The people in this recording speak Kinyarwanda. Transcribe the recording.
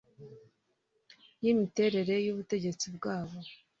y imiterere y ubutegetsi bwabo